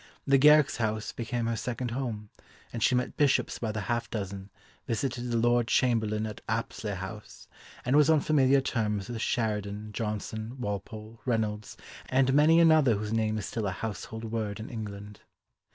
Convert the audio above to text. The Garricks' house became her second home, and she met Bishops by the half dozen, visited the Lord Chamberlain at Apsley House, and was on familiar terms with Sheridan, Johnson, Walpole, Reynolds, and many another whose name is still a household word in England.